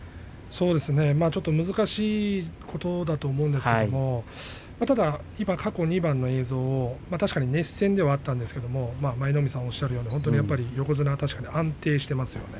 ちょっと難しいことだと思うんですけれどもただ今、過去２番の映像を確かに熱戦ではあったんですけれども舞の海さんおっしゃるように横綱は確かに安定していますよね。